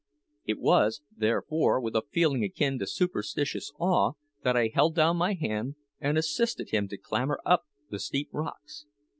It was, therefore, with a feeling akin to superstitious awe that I held down my hand and assisted him to clamber up the steep rocks.